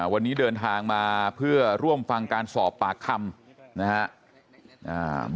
วันนี้เดินทางมาเพื่อร่วมฟังการสอบปากคำนะครับ